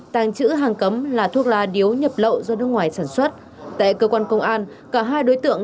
tàng trữ hàng cấm là thuốc lá điếu nhập lậu do nước ngoài sản xuất tại cơ quan công an cả hai đối tượng